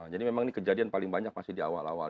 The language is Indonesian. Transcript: jadi memang ini kejadian paling banyak masih di awal awal